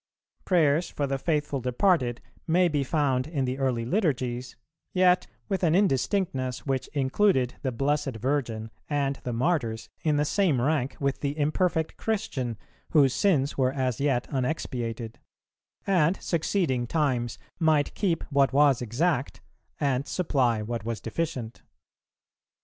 Prayers for the faithful departed may be found in the early liturgies, yet with an indistinctness which included the Blessed Virgin and the Martyrs in the same rank with the imperfect Christian whose sins were as yet unexpiated; and succeeding times might keep what was exact, and supply what was deficient.